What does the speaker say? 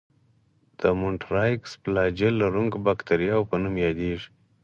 د مونټرایکس فلاجیل لرونکو باکتریاوو په نوم یادیږي.